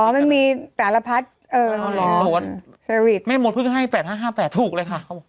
อ๋อมันมีแต่ละพัฒน์เอ่อรอไม่หมดพึ่งให้๘๕๕๘ถูกเลยค่ะ